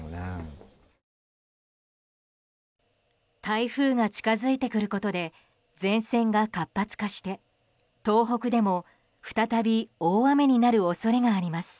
台風が近づいてくることで前線が活発化して東北でも再び大雨になる恐れがあります。